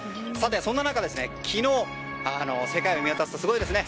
そんな中、昨日世界を見渡すとすごいですね。